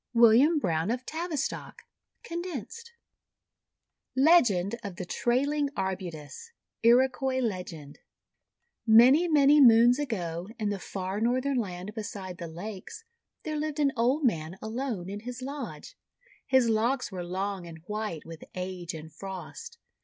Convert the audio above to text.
WILLIAM BROWNE OF TAVISTOCK (condensed) LEGEND OF THE TRAILING ARBUTUS Iroquois Legend MANY, many Moons ago, in the far Northern Land beside the Lakes, there lived an old man alone in his lodge. His locks were long, and white with Age and Frost.